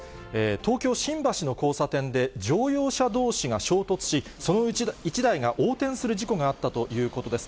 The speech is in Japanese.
東京・新橋の交差点で乗用車どうしが衝突し、そのうち１台が横転する事故があったということです。